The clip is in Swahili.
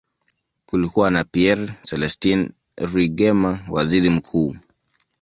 Kulikuwa na Pierre Celestin Rwigema, waziri mkuu.